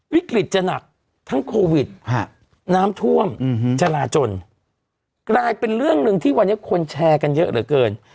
วิกฤตจะหนักทั้งโควิดน้ำท่วมจราจนกลายเป็นเรื่องหนึ่งที่วันนี้คนแชร์กันเยอะเหลือเกิน